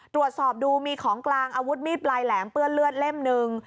ตรวจสอบดูมีของกลางอาวุธมีดปลายแหลมเปื้อนเลือดเล่มหนึ่ง